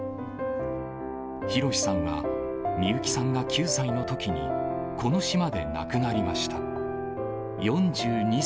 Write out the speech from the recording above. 弘さんは美由紀さんが９歳のときにこの島で亡くなりました。